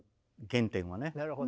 原点はね。